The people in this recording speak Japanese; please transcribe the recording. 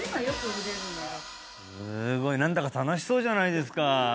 すごい何だか楽しそうじゃないですか